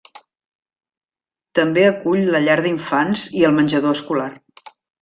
També acull la llar d'infants i el menjador escolar.